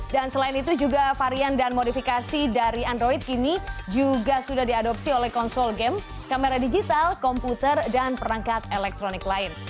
dan selain itu juga varian dan modifikasi dari android kini juga sudah diadopsi oleh konsol game kamera digital komputer dan perangkat elektronik lain